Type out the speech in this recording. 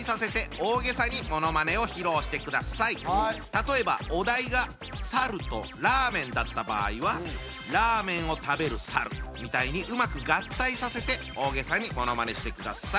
例えばお題が「猿」と「ラーメン」だった場合は「ラーメンを食べる猿」みたいにうまく合体させて大げさにものまねしてください。